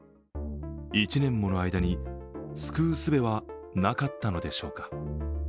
１年もの間に救うすべはなかったのでしょうか。